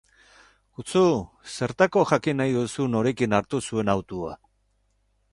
Kutzu! Zertako jakin nahi duzu norekin hartu zuen autoa?